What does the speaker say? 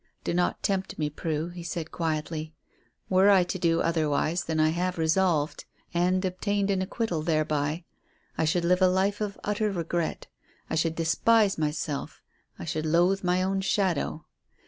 "Do not tempt me, Prue," he said quietly. "Were I to do otherwise than I have resolved, and obtained an acquittal thereby, I should live a life of utter regret. I should despise myself; I should loathe my own shadow.